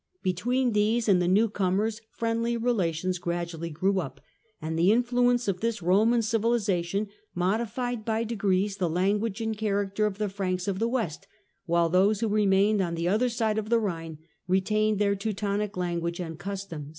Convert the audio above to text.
Between these and the newcomers friendly relations gradually grew up, and the influence of this Roman civilisation modified by degrees the language and character of the Franks of the West, while those who remained on the other side of the Rhine retained their Teutonic language and customs.